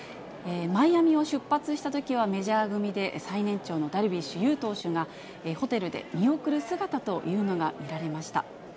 マイアミを出発したときは、メジャー組で最年長のダルビッシュ有投手が、ホテルで見送る姿というのが見られました。